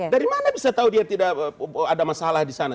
dari mana bisa tahu dia tidak ada masalah di sana